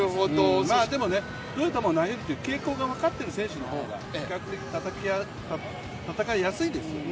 でもどういう球を投げるか傾向が分かっている選手の方が比較的戦いやすいですよ。